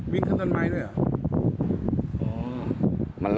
สีขาว